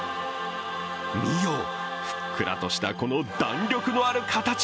見よ、ふっくらしたこの弾力ある形。